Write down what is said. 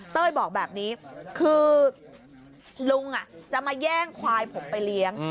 เต้ยบอกแบบนี้คือลุงจะมาแย่งควายผมไปเลี้ยง